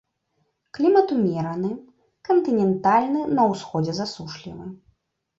Клімат умераны, кантынентальны, на ўсходзе засушлівы.